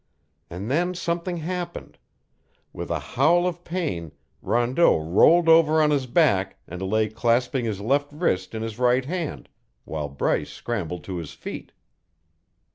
And then something happened. With a howl of pain, Rondeau rolled over on his back and lay clasping his left wrist in his right hand, while Bryce scrambled to his feet.